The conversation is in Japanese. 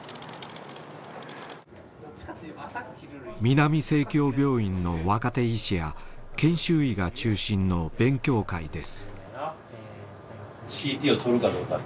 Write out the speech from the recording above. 南生協病院の若手医師や研修医が中心の勉強会です。